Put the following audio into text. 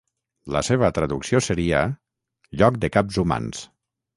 La seva traducció seria 'lloc de caps humans'.